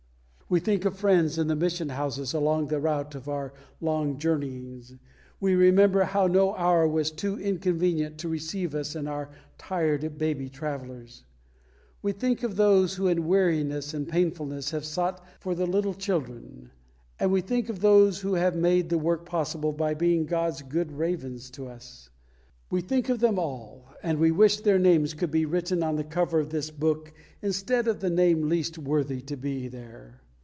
We think of the friends in the mission houses along the route of our long journeyings; we remember how no hour was too inconvenient to receive us and our tired baby travellers; we think of those who in weariness and painfulness have sought for the little children; and we think of those who have made the work possible by being God's good Ravens to us. We think of them all, and we wish their names could be written on the cover of this book instead of the name least worthy to be there.